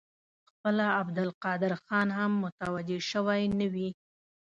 خپله عبدالقادر خان هم متوجه شوی نه وي.